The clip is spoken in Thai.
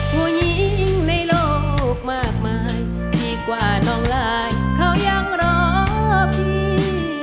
ผู้หญิงในโลกมากมายดีกว่าน้องลายเขายังรอพี่